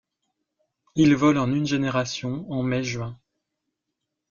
Il vole en une génération, en mai juin.